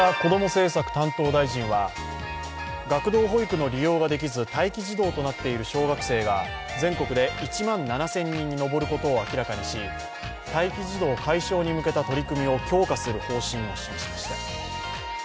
政策担当大臣は学童保育の利用ができず待機児童となっている小学生が全国で１万７０００人に上ることを明らかにし、待機児童解消に向けた取り組みを強化する方針を示しました。